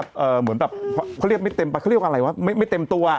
เค้าเรียกไม่เต็มไม่เต็มตัว